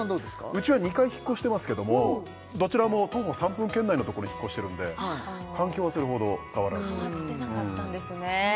うちは２回引っ越してますけどもどちらも徒歩３分圏内のところ引っ越してるんで環境はそれほど変わらず変わってなかったんですね